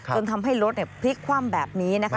จนทำให้รถพลิกคว่ำแบบนี้นะคะ